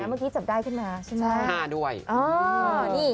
เมื่อกี้จับได้ขึ้นมาใช่ไหม